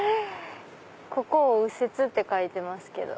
ここを右折って書いてますけど。